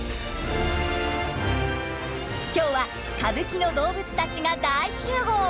今日は歌舞伎の動物たちが大集合。